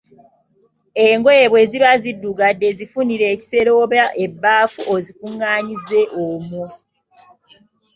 Engoye bwe ziba ziddugadde zifunire ekisero oba ebbaafu ozikunganyize omwo.